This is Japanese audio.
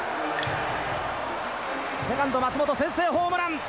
セカンド松本先制ホームラン。